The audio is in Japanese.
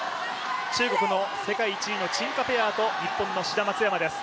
中国の世界１位の陳・賈ペアと日本の志田・松山です。